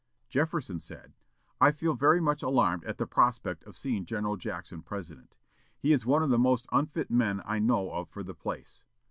Jefferson said, "I feel very much alarmed at the prospect of seeing General Jackson President. He is one of the most unfit men I know of for the place.